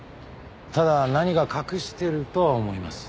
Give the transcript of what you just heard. ただ何か隠してるとは思います。